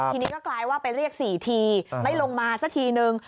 ทีนี้ก็กลายว่าไปเรียก๔ทีไม่ลงมาสักทีนึง